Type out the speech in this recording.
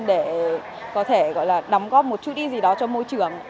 để có thể đóng góp một chút ích gì đó cho môi trường